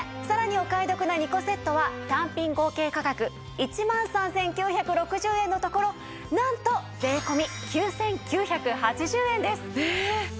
さらにお買い得な２個セットは単品合計価格１万３９６０円のところなんと税込９９８０円です。ええーっ？